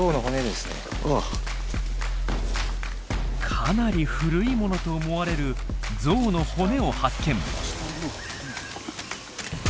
かなり古いものと思われるゾウの骨を発見。